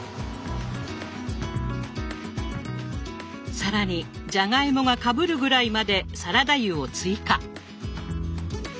更にじゃがいもがかぶるぐらいまでサラダ油を追加。